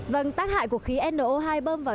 vâng tác hại của khí no hai bơm vật